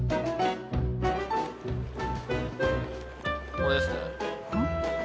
これですね